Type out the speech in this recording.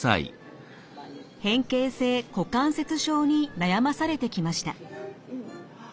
変形性股関節症に悩まされてきました。